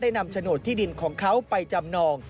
นำโฉนดที่ดินของเขาไปจำนอง